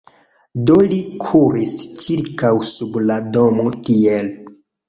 Do li kuris ĉirkaŭ sub la domo tiel: